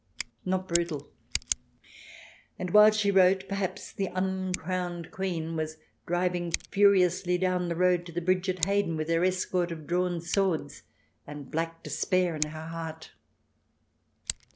Not brutal ! And while she wrote, perhaps the uncrowned Queen was driving furiously down the road to the bridge at Hayden, with her escort of drawn swords, and black despair in her heart